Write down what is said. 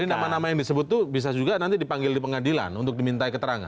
jadi nama nama yang disebut itu bisa juga nanti dipanggil di pengadilan untuk diminta keterangan